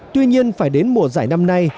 tuy nhiên phải đến mùa giải năm nay